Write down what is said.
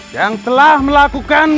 yang telah melakukan